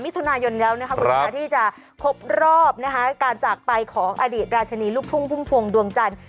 มิถุนายนแล้วนะคะคุณชนะที่จะครบรอบนะคะการจากไปของอดีตราชนีลูกทุ่งพุ่มพวงดวงจันทร์